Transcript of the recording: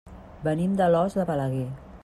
Venim d'Alòs de Balaguer.